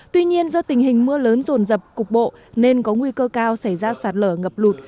tuy nhiên do tình hình mưa lớn rồn rập cục bộ nên có nguy cơ cao xảy ra sạt lở ngập lụt